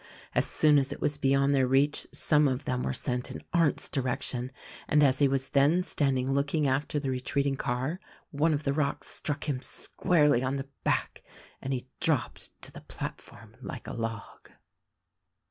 As soon as it was beyond their reach some of them were sent in Arndt's direction; and as he was then standing looking after the retreating car one of the rocks struck him squarely on the back, and he dropped to the platform like a log.